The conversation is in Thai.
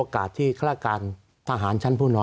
สวัสดีครับทุกคน